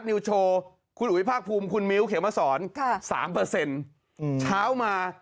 ลักลุงอะไรนี้มีมั้ย